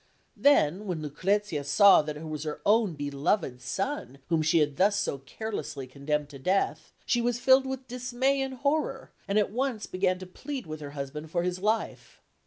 Then, when Lucrezia saw that it was her own beloved son whom she had thus so carelessly condemned to death, she was filled with dismay and horror, and at once began to plead with her husband for his life.